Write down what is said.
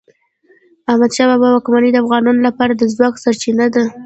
د احمد شاه بابا واکمني د افغانانو لپاره د ځواک سرچینه وه.